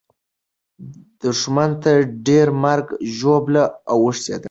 دښمن ته ډېره مرګ او ژوبله اوښتې ده.